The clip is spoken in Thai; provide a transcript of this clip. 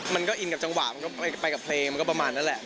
มันก็อินกับจังหวะมันก็ไปกับเพลงมันก็ประมาณนั้นแหละ